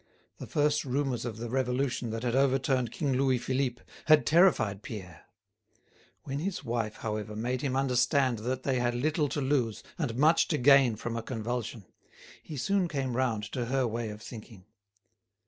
The first rumours of the Revolution that had overturned King Louis Philippe had terrified Pierre. When his wife, however, made him understand that they had little to lose and much to gain from a convulsion, he soon came round to her way of thinking.